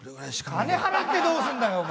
金払ってどうすんだよお前！